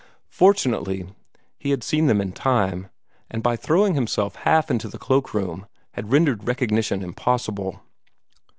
Fortunately he had seen them in time, and by throwing himself half into the cloak room, had rendered recognition impossible.